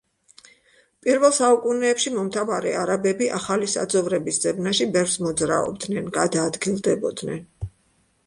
პირველ საუკუნეებში მომთაბარე არაბები ახალი საძოვრების ძებნაში ბევრს მოძრაობდნენ, გადაადგილდებოდნენ.